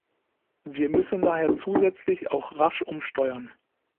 Wir müssen daher zusätzlich auch rasch umsteuern.